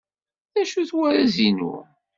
D acu-t warraz-inu?